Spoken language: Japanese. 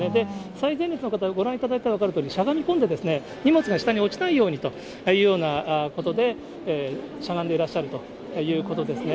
最前列の方、ご覧いただいたら分かるとおり、しゃがみこんで、荷物が下に落ちないようにというようなことで、しゃがんでらっしゃるということですね。